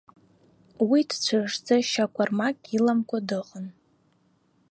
Уи дцәышӡа, шьакәармак иламкәа дыҟан.